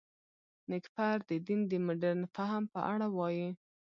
نېکفر د دین د مډرن فهم په اړه وايي.